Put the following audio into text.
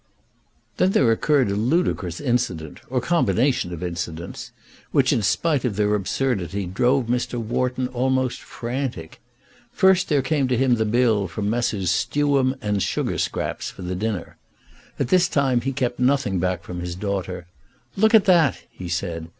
Then there occurred a ludicrous incident, or combination of incidents, which, in spite of their absurdity, drove Mr. Wharton almost frantic. First there came to him the bill from Messrs. Stewam and Sugarscraps for the dinner. At this time he kept nothing back from his daughter. "Look at that!" he said.